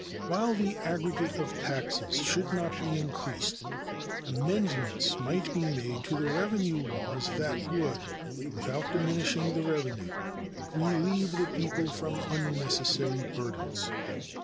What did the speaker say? While the aggregate of taxes should not be increased, amendments might be made to the revenue laws that would, without diminishing the revenue, relieve the people from unnecessary burdens.